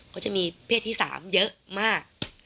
ก็จะมีเพศที่๓เยอะมาก